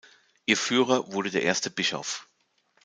Ihr Führer wurde der erste Bischof.